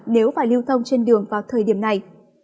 nếu phải lưu thông trên đường vào thời điểm này